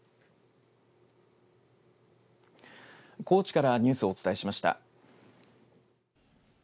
高知からニュースをお伝えしました。